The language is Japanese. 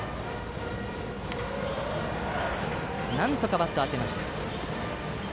なんとかバットに当てました。